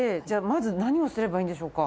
まず何をすればいいんでしょうか？